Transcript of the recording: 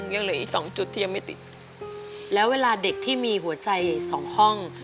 ยังเหลืออีกสองจุดที่ยังไม่ติดแล้วเวลาเด็กที่มีหัวใจสองห้อง